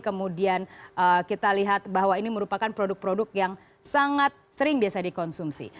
kemudian kita lihat bahwa ini merupakan produk produk yang sangat sering biasa dikonsumsi